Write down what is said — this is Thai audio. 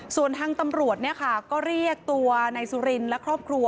ส่วนทางตำรวจเนี่ยค่ะก็เรียกตัวนายสุรินและครอบครัว